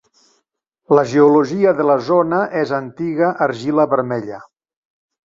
La geologia de la zona és antiga argila vermella.